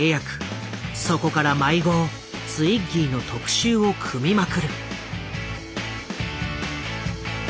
そこから毎号ツイッギーの特集を組みまくる。